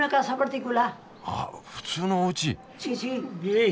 ああ普通のおうち。